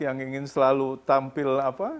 yang ingin selalu tampil